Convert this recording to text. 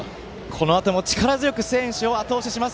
このあとも力強く選手をあと押しします。